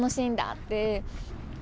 って。